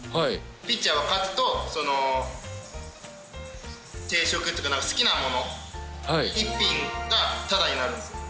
ピッチャーは勝つと、その定食っていうか、好きなもの１品がただになるんですよ。